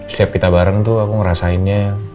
setiap kita bareng tuh aku ngerasainnya